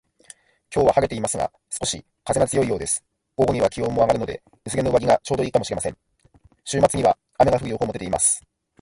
今日は晴れていますが、少し風が強いようです。午後には気温も上がるので、薄手の上着がちょうど良いかもしれません。週末には雨が降る予報も出ています